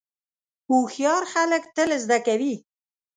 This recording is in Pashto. هوښیار خلک تل زده کوي.